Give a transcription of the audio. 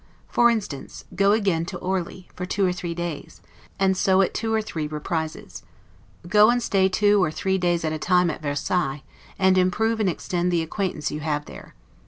For instance, go again to Orli, for two or three days, and so at two or three 'reprises'. Go and stay two or three days at a time at Versailles, and improve and extend the acquaintance you have there.